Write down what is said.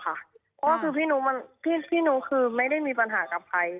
เพราะว่าคือพี่หนูคือไม่ได้มีปัญหากับใคร